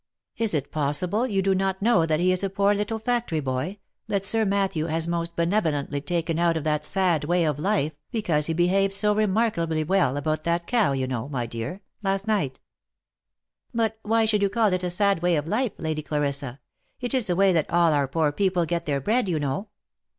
Is it possible you do not know he is a poor little factory boy, that Sir Matthew has most benevolently taken out of that sad way of life, because he behaved so remarkably well about that cow, you know, my dear, last night V " But why should you call it a sad way of life, Lady Clarissa ? It is the way that all our poor people get their bread, you know."